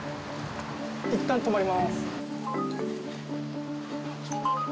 いったん止まります。